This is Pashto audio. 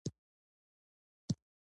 مولوي صاحب د اصحابو د جهاد ډېرې کيسې وکړې.